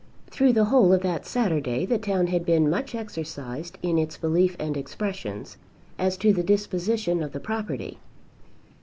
Through the whole of that Saturday the town had been much exercised in its belief and expressions, as to the disposition of the property.